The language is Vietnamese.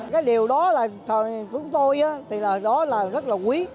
cái điều đó là chúng tôi thì đó là rất là quý